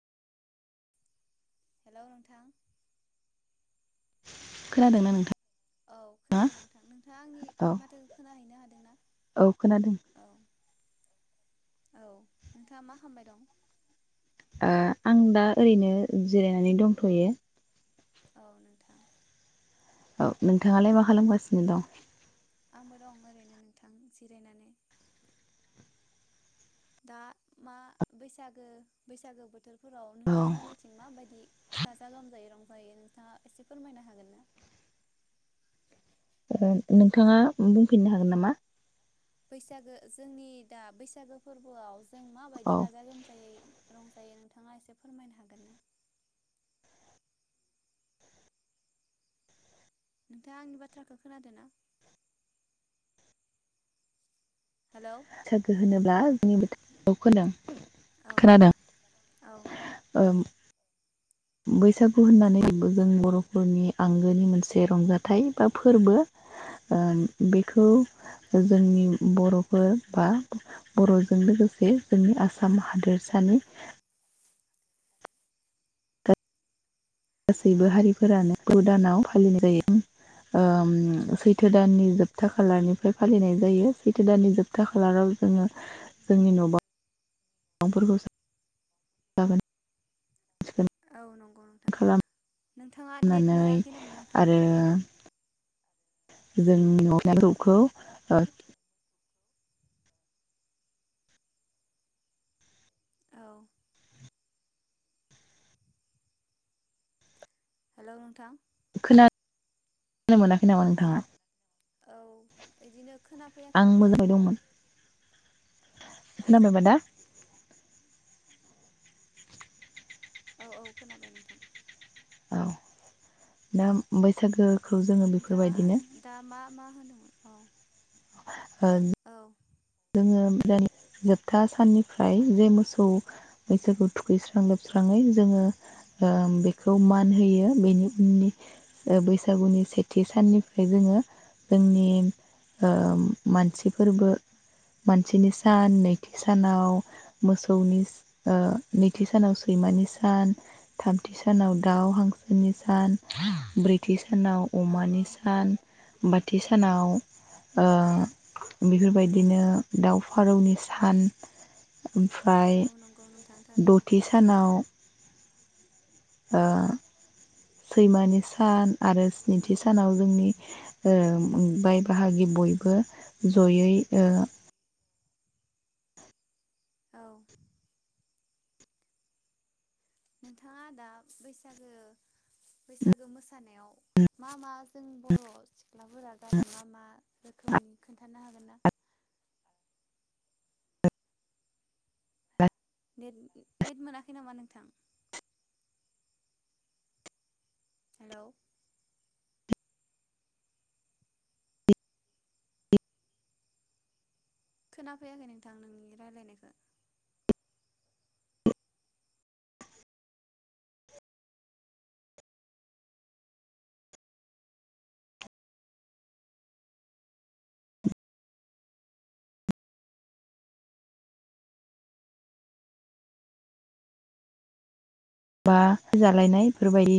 Hello नोंथां। खोनादोंना नोंथां? औ खोनादों नोंथां। नोंथाङा आंनि औ माथोखौ खोनाहैनो हादोंना औ खोनादों औ। औ नोंथाङा मा खामबाय दं? ओ आं दा ओरैनो जिरायनानै दंथ'यो। औ नोंथां। औ नोंथाङालाय मा खालामगासिनो दं? आंबो दं ओरैनो नोंथां जिरायनानै। दा मा बैसागो बैसागो बोथोर। फोराव औ नोंथांमोननिथिं माबायदि थाजा गोमजायै रं। ओमफ्रायो नोंथाङा एसे फोरमायनो हागोन ना? ओ नोंथाङा बुंफिननो हागोन नामा? बैसागो जोंनि दा बैसागो फोरबोआव। जों औ माबायदि गाजा गोमजायै। रंजायो नोंथाङा एसे फोरमायनो हागोन ना? नोंथाङा आंनि बाथ्राखौ खोनादोंना? हेलौ सोरखो होनोब्ला। नि बोथोराव खोनादों। औ औ औ खोनादों ओं। बैसागु होननानै जों बर'फोरनि आंगोनि मोनसे रंजाथाइ बा फोरबो ओ बेखौ जोंनि बर'फोर बा बर'जों लोगोसे जोंनि आसाम हादोरसानि‌। औ गासैबो हारिफोरानो। सै दानाव फालिनाय जायो ओ सैथो दाननि जोबथा खालारनिफ्राय फालिनाय जायो सैथो दाननि जोबथा खालाराव जोङो जोंनि न' बांफांफोरखौ। औ नं खालाम खालामनानै मोनाखै नामा नोंथां आरो। जों नदा दुबखौ औ हेल' नोंथां। खोना खोनानो मोनाखै नामा नोंथाङा। औ बिदिनो। खोनाफैयाखै आं नोंथां मोजाङै बारा। दंमोन खोनाबायबा दा। औ औ खोनाबाय नोंथां। औ दा बैसागो। खौ जोङो नोंथाङा बेफोरबायदिनो। दा मा मा होनोमोन औ। ओ औ जोङो जोबथा साननिफ्राय जे मोसौ बैसागु थुखैस्रां लोबस्राङै जोङो बेखौ मान होयो बेनि उननि बैसागुनि सेथि साननिफ्राय जोङो जोंनि मानसिफोरबो मानसिनि सान नैथि सानाव मोसौनि नैथि सानाव सैमानि सान थामथि सानाव दाउ हांसोनि सान ब्रैथि सान। ब्रैथि सानआव औ औ अमानि सान। बाथि सानाव बेफोर बायदि। बिदिनो दाव फारौनि सान। ओमफ्राय औ नंगौ नोंथां थारैनो दथि सानाव सैमानि सान आरो स्निथि सानाव जोंनि बाय बाहागि बयबो जयै औ। नोंथाङा आदा बैसागो बैसागो मोसानायाव मा मा जों बर' सिख्लाफोरा गानो मा मा रोखोमनि खोन्थानो हागोनना। नेट नेट मोनाखै नामा नोंथां। हेलौ। खोनाफैयाखै नोंथां नोंनि रायलायनायखौ। बा जालायनाय बेफोर बायदि।